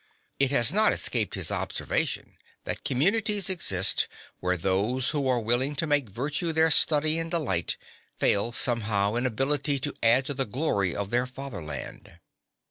It had not escaped his observation that communities exist where those who are willing to make virtue their study and delight fail somehow in ability to add to the glory of their fatherland.